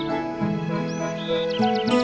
masya ada miko